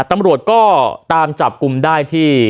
ตำรวจก็ตามจับกลุ่มได้ที่